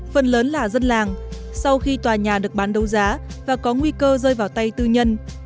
phần lớn là dân làng sau khi tòa nhà được bán đấu giá và có nguy cơ rơi vào tay tư nhân